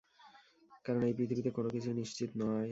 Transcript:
কারণ এই পৃথিবীতে কোন কিছুই নিশ্চিত নয়?